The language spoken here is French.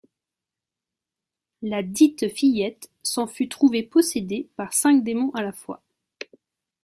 Ladite fillette s'en fût trouvée possédée par cinq démons à la fois.